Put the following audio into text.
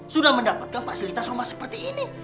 sudah mendapatkan fasilitas rumah seperti ini